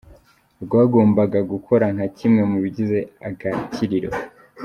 Rwagombaga gukora nka kimwe mu bigize Agakiriro.